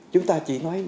chúng ta chỉ nói